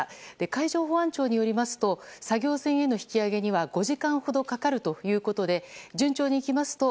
海上保安庁によりますと作業船への引き揚げには５時間ほどかかるということで順調にいきますと